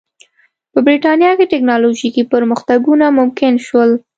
په برېټانیا کې ټکنالوژیکي پرمختګونه ممکن شول.